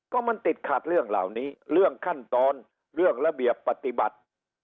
ก็มันติดขัดเรื่องเหล่านี้เรื่องขั้นตอนเรื่องระเบียบปฏิบัติ